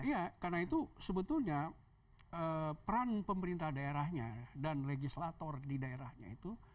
ya karena itu sebetulnya peran pemerintah daerahnya dan legislator di daerahnya itu